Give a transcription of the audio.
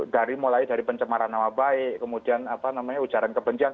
dari mulai dari pencemaran nama baik kemudian penghitungan yang tidak dihukum